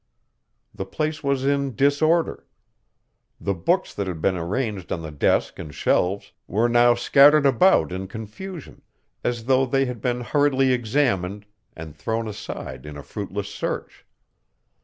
The place was in disorder. The books that had been arranged on the desk and shelves were now scattered about in confusion, as though they had been hurriedly examined and thrown aside in a fruitless search.